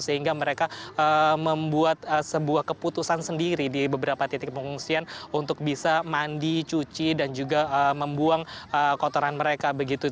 sehingga mereka membuat sebuah keputusan sendiri di beberapa titik pengungsian untuk bisa mandi cuci dan juga membuang kotoran mereka begitu